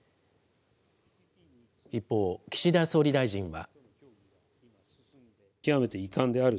一方、岸田総理大臣は。